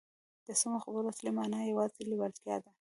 د سمو خبرو اصلي مانا یوازې لېوالتیا ده